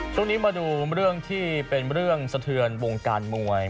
ช่วงนี้มาดูเรื่องที่เป็นเรื่องสะเทือนวงการมวย